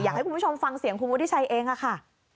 อยากให้คุณผู้ชมฟังเสียงคุณวุฒิชัยเองค่ะ